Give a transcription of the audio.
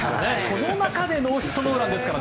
その中でノーヒットノーランですから。